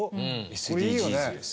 ＳＤＧｓです。